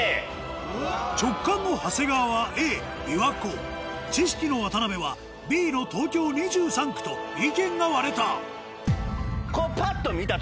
直感の長谷川はＡ琵琶湖知識の渡辺はＢの東京２３区と意見が割れたこう。